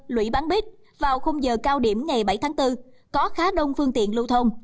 lũy bán bít vào khung giờ cao điểm ngày bảy tháng bốn có khá đông phương tiện lưu thông